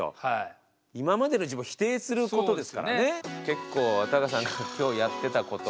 結構タカさんが今日やってたこと。